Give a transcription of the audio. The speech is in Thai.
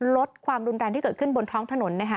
ลดความรุนแรงที่เกิดขึ้นบนท้องถนนนะคะ